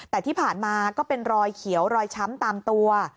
แต่ที่ผ่านมาก็เป็นรอยเขียวรอยช้ำตามตัว